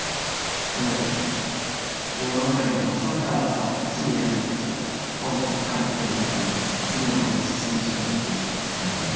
だけどさもう中にはもうサッカーさすぐやめてさポンって軽くもうやめてさ次のことに進む人だっているわけでさ。いるね。